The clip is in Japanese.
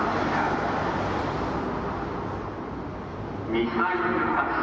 ミサイル発射。